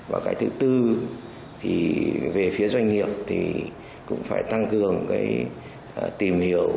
và cái thứ tư thì về phía doanh nghiệp thì cũng phải tăng cường cái tìm hiểu